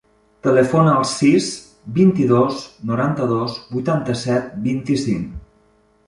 Telefona al sis, vint-i-dos, noranta-dos, vuitanta-set, vint-i-cinc.